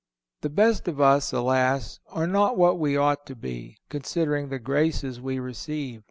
The best of us, alas! are not what we ought to be, considering the graces we receive.